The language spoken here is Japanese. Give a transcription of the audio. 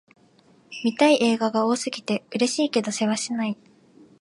見たい映画が多すぎて、嬉しいけどせわしない